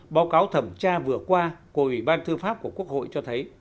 báo cáo thẩm tra vừa qua của ủy ban thư pháp của quốc hội cho thấy